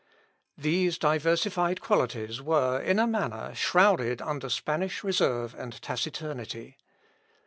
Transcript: These diversified qualities were, in a manner, shrouded under Spanish reserve and taciturnity.